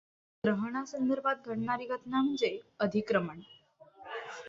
ग्रहणा संदर्भात घडणारी घटना म्हणजे अधिक्रमण.